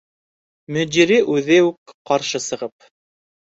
Мөдире үҙе үк ҡаршы сығып: